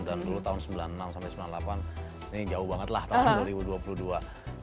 dan dulu tahun sembilan puluh enam sampai sembilan puluh delapan ini jauh banget lah tahun dua ribu dua puluh dua